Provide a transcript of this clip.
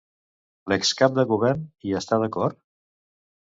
L'ex-cap de govern hi està d'acord?